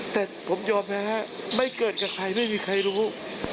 แต่ผมยอมนะฮะไม่เกิดกับใครไม่มีใครรู้